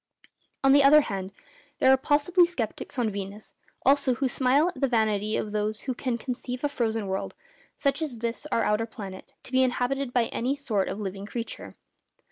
On the other hand, there are possibly sceptics on Venus also who smile at the vanity of those who can conceive a frozen world, such as this our outer planet, to be inhabited by any sort of living creature.